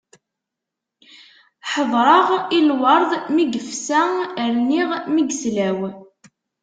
Ḥeḍreɣ i lwerḍ mi yefsa, rniɣ mi yeslaw.